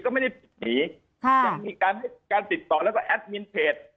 ก็ไม่ได้หนีค่ะยังมีการให้การติดต่อแล้วก็แอดมินเพจ